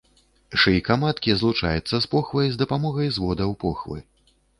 Шыйка маткі злучаецца з похвай з дапамогай зводаў похвы.